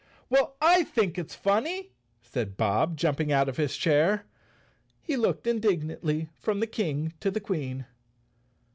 "Well, I think it's funny!" said Bob, jumping out of his chair. He looked indignantly from the King to the Queen.